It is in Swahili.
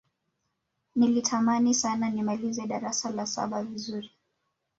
nilitamani sana nimalize darasa la saba vizuri